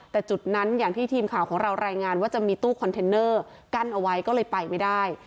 แต่จุดนั้นอย่างที่ทีมข่าวของเรารายงานว่าจะมีตู้คอนเทนเนอร์กั้นเอาไว้ก็เลยไปไม่ได้